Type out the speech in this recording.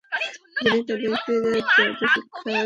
যিনি তাদেরকে জাদুশিক্ষা দিয়েছেন।